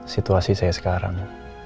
situasi saya sekarang